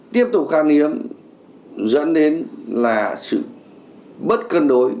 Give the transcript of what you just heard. tiếp tục khan hiếm dẫn đến là sự mất cân đối